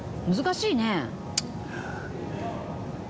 難しいね。